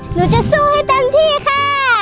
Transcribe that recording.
หนูจะสู้ให้เต็มที่ค่ะ